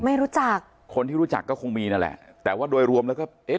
ไม่รู้จักคนที่รู้จักก็คงมีนั่นแหละแต่ว่าโดยรวมแล้วก็เอ๊ะ